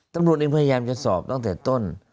ตำรวจเองพยายามจะสอบตั้งแต่ต้น